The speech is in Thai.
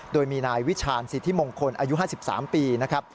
โดยมีนายวิชาญสิทธิมงคลอายุ๕๓ปี